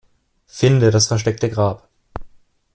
Finde das versteckte Grab.